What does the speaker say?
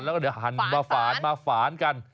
แล้วก็เดี๋ยวหันมาฝานกัน